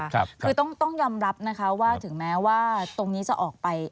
คือต้องยอมรับนะคะว่าถึงแม้ว่าตรงนี้จะออกไป